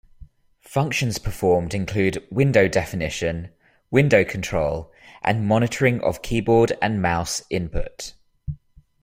Functions performed include window definition, window control, and monitoring of keyboard and mouse input.